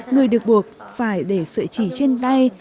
người được buộc phải để sợi chỉ trên tay